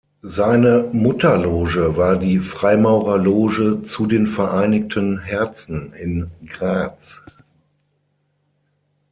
Seine Mutterloge war die Freimaurerloge "Zu den vereinigten Herzen" in Graz.